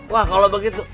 wah kalau begitu